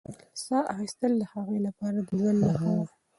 ساه اخیستل د هغې لپاره د ژوند نښه وه.